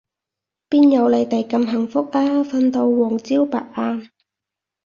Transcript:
邊有你哋咁幸福啊，瞓到黃朝白晏